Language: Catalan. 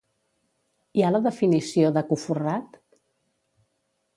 Hi ha la definició dacoforrat?